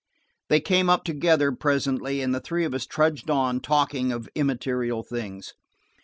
They came up together presently, and the three of us trudged on, talking of immaterial things.